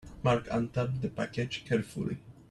Mark untaped the package carefully.